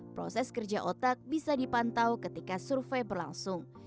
proses kerja otak bisa dipantau ketika survei berlangsung